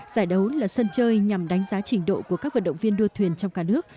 giải đấu là sân chơi nhằm đánh giá trình độ của các vận động viên đua thuyền trong cả nước